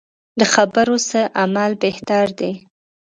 له خبرو څه عمل بهتر دی.